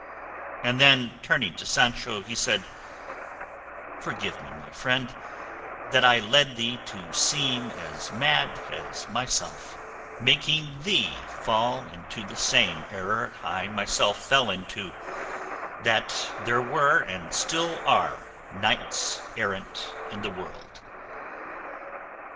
And then, turning to Sancho, he said, "Forgive me, my friend, that I led thee to seem as mad as myself, making thee fall into the same error I myself fell into, that there were and still are knights errant in the world."